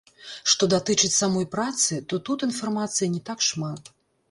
Што датычыць самой працы, то тут інфармацыі не так шмат.